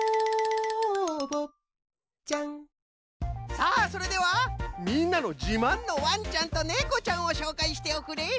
さあそれではみんなのじまんのわんちゃんとねこちゃんをしょうかいしておくれ！